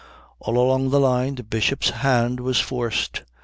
All along the line the Bishop's hand was forced.